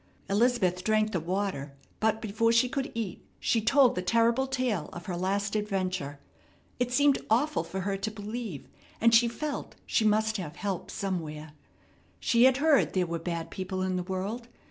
Elizabeth drank the water, but before she could eat she told the terrible tale of her last adventure. It seemed awful for her to believe, and she felt she must have help somewhere. She had heard there were bad people in the world.